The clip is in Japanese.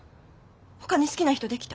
ほかに好きな人できた？